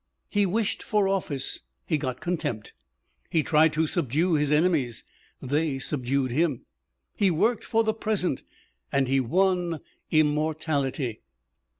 He wished for office, he got contempt; he tried to subdue his enemies, they subdued him; he worked for the present, and he won immortality.